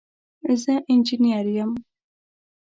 زه انجنیر یم